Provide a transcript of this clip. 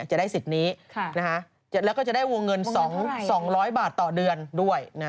จะได้สิทธิ์นี้แล้วก็จะได้วงเงิน๒๐๐บาทต่อเดือนด้วย